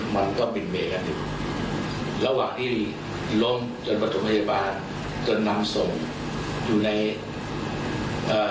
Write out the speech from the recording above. มันก็เป็นเหมือนกันอยู่ระหว่างที่ล่มจนปฐมธิบาลจนนำส่งอยู่ในเอ่อ